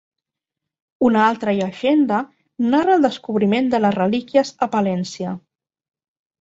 Una altra llegenda narra el descobriment de les relíquies a Palència.